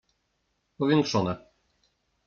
Powiększone.